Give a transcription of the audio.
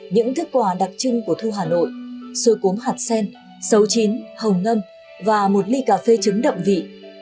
những thức quà đặc trưng của thu hà nội xôi cốm hạt sen sấu chín hầu ngâm và một ly cà phê trứng đậm vị